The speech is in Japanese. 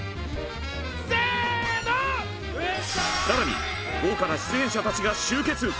更に豪華な出演者たちが集結！